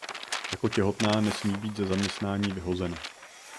Jako těhotná nesmí být ze zaměstnání vyhozena.